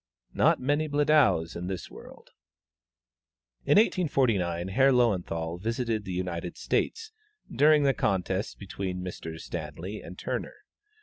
Not many Bledows in this world! In 1849, Herr Löwenthal visited the United States, during the contest between Messrs. Stanley and Turner.